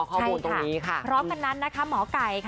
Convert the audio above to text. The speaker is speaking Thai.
ข้อมูลตรงนี้ค่ะใช่ค่ะพร้อมกันนั้นนะคะหมอไก่ค่ะ